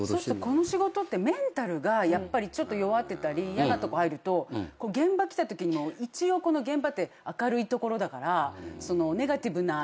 この仕事ってメンタルがちょっと弱ってたり嫌なとこ入ると現場来たときに一応現場って明るい所だからネガティブなのって